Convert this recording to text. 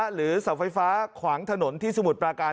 หรือเสาไฟฟ้าขวางถนนที่สมุทรปราการ